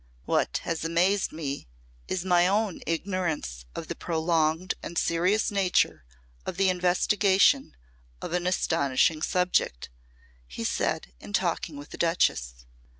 "What has amazed me is my own ignorance of the prolonged and serious nature of the investigation of an astonishing subject," he said in talking with the Duchess.